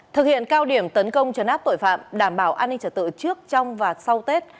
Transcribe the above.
thực hiện cao điểm tấn công trấn áp tội phạm đảm bảo an ninh trật tự trước trong và sau tết